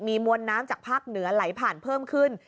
มีมวลน้ำจากภาคเหนือไหลผ่านเพิ่มขึ้น